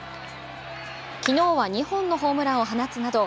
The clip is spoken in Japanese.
昨日は２本のホームランを放つなど